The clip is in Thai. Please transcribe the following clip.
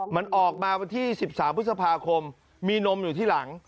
มันออกมาวันที่๑๓พฤษภาคมมีนมอยู่ที่หลัง